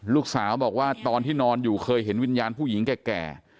ลูกสาวบอกว่าตอนที่นอนอยู่เคยเห็นวิญญาณผู้หญิงแก่